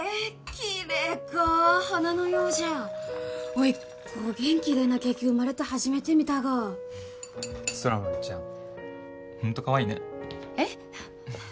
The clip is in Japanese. きれいか花のようじゃおいこげんきれいなケーキ生まれて初めて見たが空豆ちゃんホントかわいいねえっ？